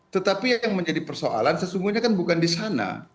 tetapi yang menjadi persoalan sesungguhnya kan bukan disana